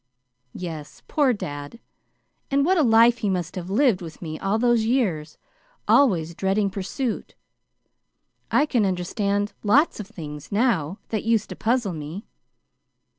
"Yes. Poor dad! And what a life he must have lived with me all those years always dreading pursuit. I can understand lots of things, now, that used to puzzle me.